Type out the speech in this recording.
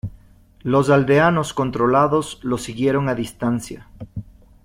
Los aldeanos controlados los siguieron a distancia.